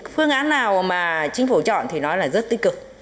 phương án nào mà chính phủ chọn thì nói là rất tích cực